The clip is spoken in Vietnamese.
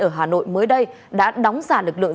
ở hà nội mới đây đã đóng giả lực lượng